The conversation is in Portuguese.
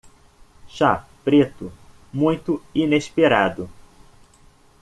Chá preto muito inesperado